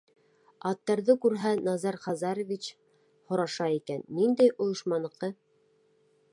Аттарҙы күрһә, Назар Хазарович һораша икән: «Ниндәй ойошманыҡы?»